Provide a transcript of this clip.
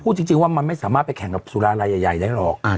จริงว่ามันไม่สามารถไปแข่งกับสุรารายใหญ่ได้หรอก